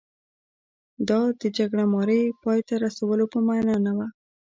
دا د جګړه مارۍ پای ته رسولو په معنا نه و.